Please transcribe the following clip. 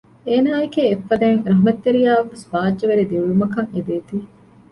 އޭނާއެކޭ އެއްފަދައިން ރަޙްމަތްތެރިޔާއަށްވެސް ބާއްޖަވެރި ދިރިއުޅުމަކަށް އެދޭތީ